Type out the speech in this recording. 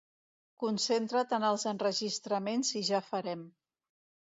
Concentra't en els enregistraments i ja farem.